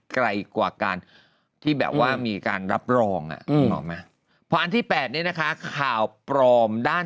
ไกลกว่าการที่แบบว่ามีการรับรองอ่ะอันที่๘นะคะข่าวปรอมด้าน